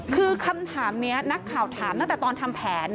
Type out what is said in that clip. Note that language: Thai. คือคำถามนี้นักข่าวถามตั้งแต่ตอนทำแผน